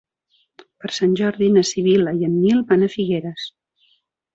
Per Sant Jordi na Sibil·la i en Nil van a Figueres.